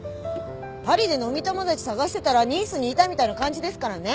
パリで飲み友達探してたらニースにいたみたいな感じですからね。